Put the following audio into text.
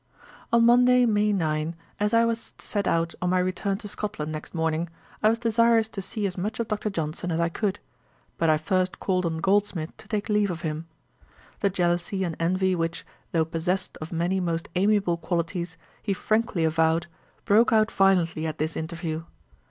On Monday, May 9, as I was to set out on my return to Scotland next morning, I was desirous to see as much of Dr. Johnson as I could. But I first called on Goldsmith to take leave of him. The jealousy and envy which, though possessed of many most amiable qualities, he frankly avowed, broke out violently at this interview.